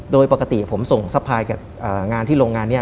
โดยปกติผมส่งสะพายกับงานที่โรงงานนี้